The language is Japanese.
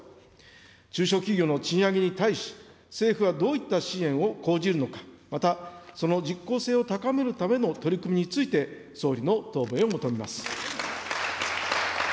中小企業の賃上げに対し、政府はどういった支援を講じるのか、またその実効性を高めるための取り組みについて、総理の答弁を求めます。